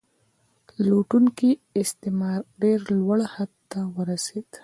لوټونکی استثمار ډیر لوړ حد ته ورسید.